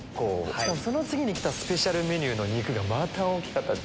しかもその次にきたスペシャルメニューの肉がまた大きかった。